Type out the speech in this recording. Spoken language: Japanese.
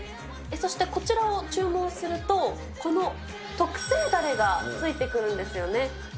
そしてこちらを注文すると、この特製だれがついてくるんですよね。